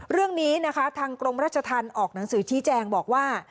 เรื่องนี้นะคะทางกรมราชธรรมออกหนังสือชี้แจงบอกว่า